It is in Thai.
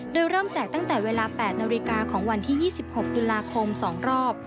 โดยเริ่มแจกตั้งแต่เวลา๘นาฬิกาของวันที่๒๖ตุลาคม๒รอบ